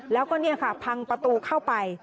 แล้วก็นี่ค่ะพังประตูเข้าไป